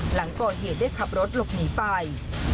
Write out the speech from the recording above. หลังก่อเหตุได้ขับรถหลบหนีไป